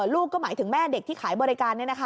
ลูกก็หมายถึงแม่เด็กที่ขายบริการ